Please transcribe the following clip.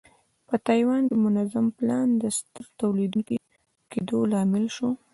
په تایوان کې منظم پلان د ستر تولیدوونکي کېدو لامل شو.